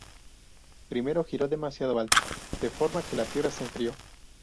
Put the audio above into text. Primero giró demasiado alto, de forma que la tierra se enfrió.